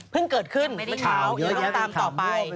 เพิ่งเกิดขึ้นประชาวเยอะแยะต้องตามต่อไป